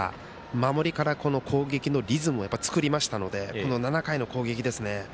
守りから攻撃のリズムをやっぱり作りましたのでこの７回の攻撃ですね。